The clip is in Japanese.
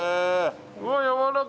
うわっやわらか！